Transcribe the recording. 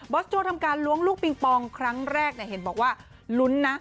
สโจ้ทำการล้วงลูกปิงปองครั้งแรกเห็นบอกว่าลุ้นนะ